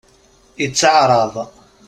Itteɛṛaḍ.